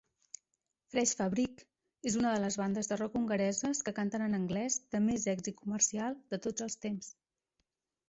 FreshFabrik és una de les bandes de rock hongareses que canten en anglès de més èxit comercial de tots els temps.